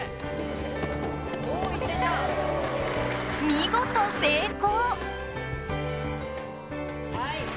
見事成功！